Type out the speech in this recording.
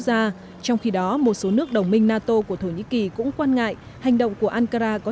gia trong khi đó một số nước đồng minh nato của thổ nhĩ kỳ cũng quan ngại hành động của ankara có